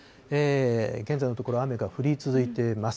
現在のところ、雨が降り続いています。